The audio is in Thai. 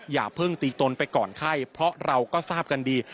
อย่าเพิ่งตีตนไปก่อนไข้เพราะเราก็ทราบกันดี